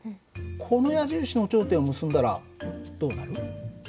この矢印の頂点を結んだらどうなる？